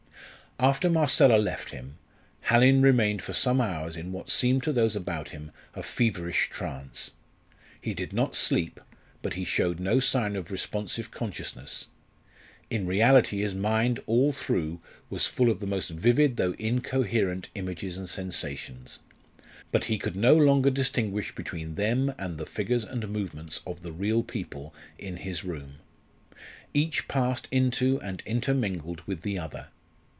After Marcella left him, Hallin remained for some hours in what seemed to those about him a feverish trance. He did not sleep, but he showed no sign of responsive consciousness. In reality his mind all through was full of the most vivid though incoherent images and sensations. But he could no longer distinguish between them and the figures and movements of the real people in his room. Each passed into and intermingled with the other.